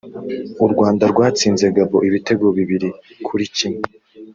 u Rwanda rwatsinze Gabon ibitego bibiri kuri kimwe